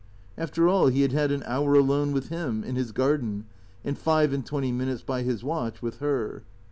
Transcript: After all, he had had an hour alone with Him, in his garden, and five and twenty minutes by his watch with Her.